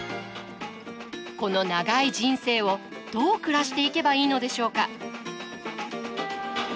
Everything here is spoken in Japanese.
この長い人生をどう暮らしていけばいいのでしょうか？